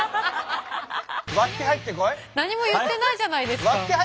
何も言ってないじゃないですか。